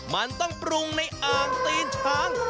มันต้องปรุงในอ่างตีนช้าง